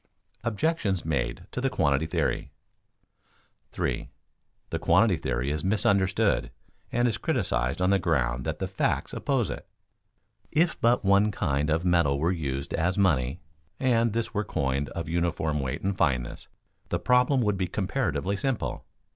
[Sidenote: Objections made to the quantity theory] 3. The quantity theory is misunderstood, and is criticized on the ground that the facts oppose it. If but one kind of metal were used as money, and this were coined of uniform weight and fineness, the problem would be comparatively simple.